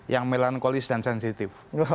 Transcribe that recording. yang melankolis dan sensitif